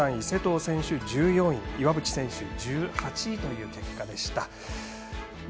勢藤選手、１４位岩渕選手、１８位という結果でした。